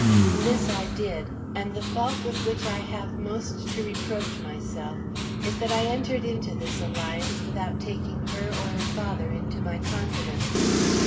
"This I did, and the fault with which I have most to reproach myself is that I entered into this alliance without taking her or her father into my confidence.